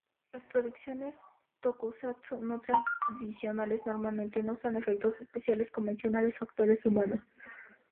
Las producciones "tokusatsu" no tradicionales normalmente no usan efectos especiales convencionales o actores humanos.